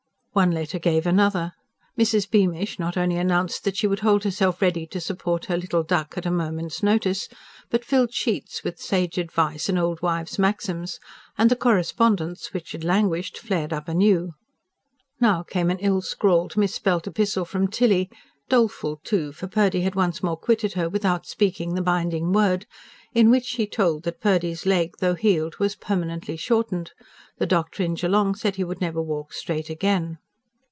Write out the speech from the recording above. One letter gave another; Mrs. Beamish not only announced that she would hold herself ready to support her "little duck" at a moment's notice, but filled sheets with sage advice and old wives' maxims; and the correspondence, which had languished, flared up anew. Now came an ill scrawled, misspelt epistle from Tilly doleful, too, for Purdy had once more quitted her without speaking the binding word in which she told that Purdy's leg, though healed, was permanently shortened; the doctor in Geelong said he would never walk straight again.